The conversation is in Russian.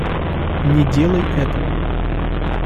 Не делай этого!